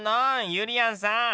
ゆりやんさん！